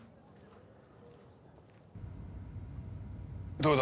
・どうだ？